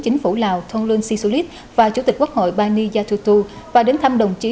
chính phủ lào thôn luân si su lít và chủ tịch quốc hội bani gia tu tu và đến thăm đồng chí